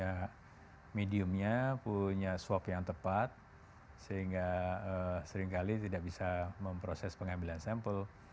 pada rumah sakit punya mediumnya punya swab yang tepat sehingga seringkali tidak bisa memproses pengambilan sampel